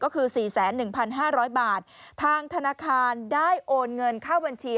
ก็คือ๔๑๕๐๐บาททางธนาคารได้โอนเงินเข้าบัญชี